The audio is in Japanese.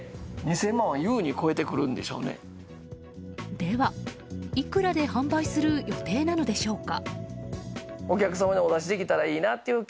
では、いくらで販売する予定なのでしょうか。